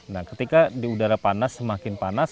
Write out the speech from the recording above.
nah ketika di udara panas semakin panas